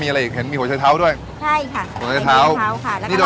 แล้วมีอะไรอีก